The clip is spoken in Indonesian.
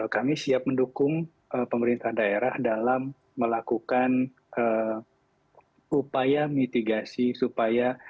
kami siap mendukung pemerintah daerah dalam melakukan upaya mitigasi supaya